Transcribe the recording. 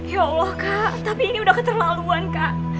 ya allah kak tapi ini udah keterlaluan kak